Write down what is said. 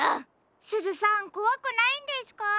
すずさんこわくないんですか？